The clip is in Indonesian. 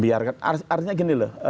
artinya gini loh